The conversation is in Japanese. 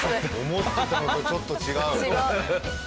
思ってたのとちょっと違う。